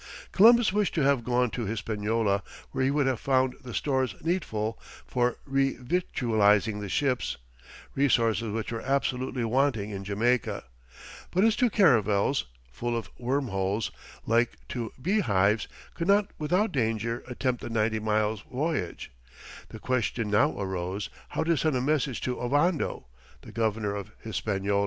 Columbus wished to have gone to Hispaniola, where he would have found the stores needful for revictualling the ships, resources which were absolutely wanting in Jamaica; but his two caravels, full of worm holes, "like to bee hives," could not without danger attempt the ninety miles' voyage; the question now arose, how to send a message to Ovando, the governor of Hispaniola.